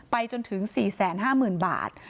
จนถึง๔๕๐๐๐บาท